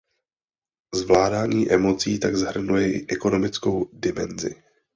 Zvládání emocí tak zahrnuje i ekonomickou dimenzi.